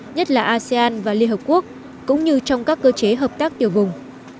nhất là asean và liên hợp quốc cũng như trong các cơ chế hợp tác tiểu vùng